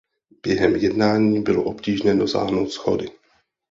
Během jednání bylo obtížné dosáhnout shody.